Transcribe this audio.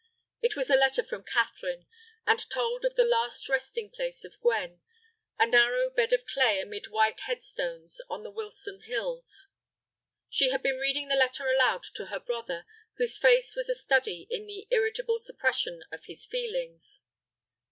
It was a letter from Catherine, and told of the last resting place of Gwen, a narrow bed of clay amid white headstones on the Wilson hills. She had been reading the letter aloud to her brother, whose face was a study in the irritable suppression of his feelings.